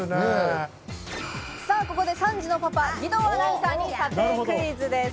ここで３児パパ、義堂アナに査定クイズです。